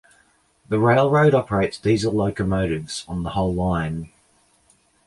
The railroad operates diesel locomotives on the whole line.